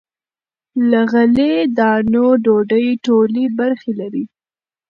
له غلې- دانو ډوډۍ ټولې برخې لري.